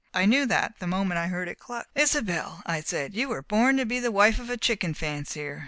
I knew that the moment I heard it cluck." "Isobel," I said, "you were born to be the wife of a chicken fancier!